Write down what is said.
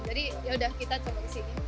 jadi ya udah kita coba disini